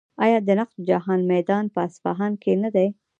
آیا د نقش جهان میدان په اصفهان کې نه دی؟